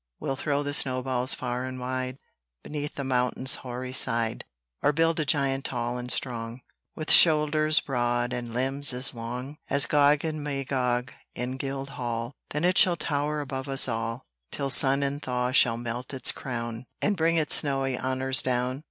We'll throw the snow balls far and wide, Beneath the mountain's hoary side; Or build a giant tall and strong, With shoulders broad, and limbs as long, As Gog and Magog in Guildhall; There it shall tower above us all, Till sun and thaw shall melt its crown, And bring its snowy honours down.